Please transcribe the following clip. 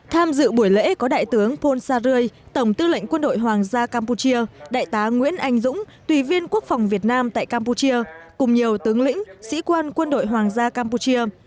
tham dự buổi lễ có đại tướng pom sa rươi tổng tư lệnh quân đội hoàng gia campuchia đại tá nguyễn anh dũng tùy viên quốc phòng việt nam tại campuchia cùng nhiều tướng lĩnh sĩ quan quân đội hoàng gia campuchia